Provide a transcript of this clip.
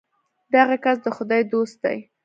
دغه کس د خدای دوست دی.